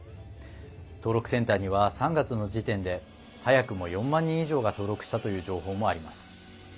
登録センターには３月の時点で早くも４万人以上が登録したという情報もあります。